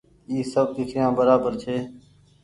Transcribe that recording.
اي سب ڪيکريآن برابر ڇي۔